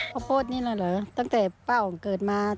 ข้าวโพดนี่เหรอตั้งแต่ป้าอ๋องเกิดมา